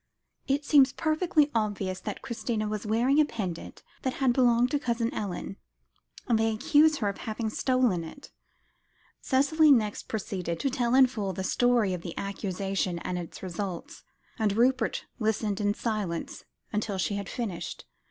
It seems perfectly obvious, that Christina was wearing a pendant that had belonged to Cousin Ellen; and they accuse her of having stolen it." Cicely next proceeded to tell in full the story of the accusation and its results, and Rupert listened in silence, until she had finished.